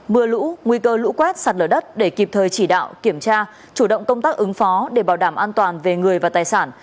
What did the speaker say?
mưa lũ nguy cơ lũ quét sạt lở đất để kịp thời chỉ đạo kiểm tra chủ động công tác ứng phó để bảo đảm an toàn về người và tài sản